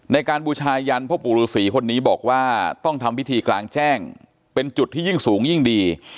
บูชายันพ่อปู่ฤษีคนนี้บอกว่าต้องทำพิธีกลางแจ้งเป็นจุดที่ยิ่งสูงยิ่งดี